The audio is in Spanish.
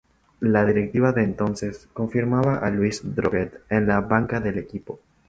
La directiva de entonces confirma a Luis Droguett en la banca del equipo.